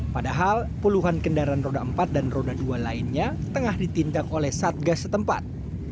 padahal puluhan kendaraan roda empat dan roda dua lainnya tengah ditindak oleh satgas setempat